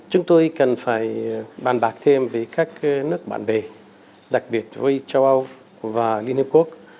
chúng tôi cần phải bàn bạc thêm với các nước bạn bè đặc biệt với châu âu và liên hiệp quốc